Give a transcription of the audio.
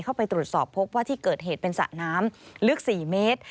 เข้าไปตรวจสอบพบว่าที่เกิดเหตุเป็นสระน้ำลึก๔เมตร